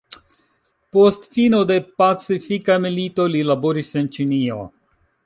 Post fino de Pacifika Milito, li laboris en Ĉinio.